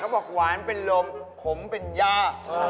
บอกหวานเป็นลมขมเป็นย่า